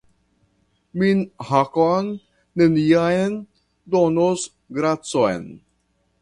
Min Hakon neniam donos gracon.